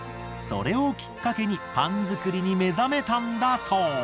それをきっかけにパン作りに目覚めたんだそう。